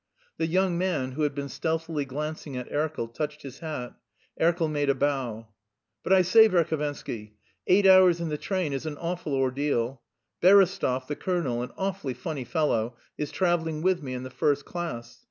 The young man, who had been stealthily glancing at Erkel, touched his hat; Erkel made a bow. "But I say, Verhovensky, eight hours in the train is an awful ordeal. Berestov, the colonel, an awfully funny fellow, is travelling with me in the first class.